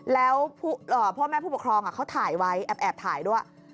แล้วพ่อแม่ผู้ปกครองเขาถ่ายไว้แอบถ่ายด้วย